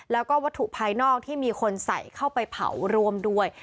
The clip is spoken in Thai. แล้วก็วัตถุภายนอกที่มีคนใส่เข้าไปเผาร่วมด้วย